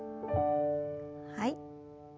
はい。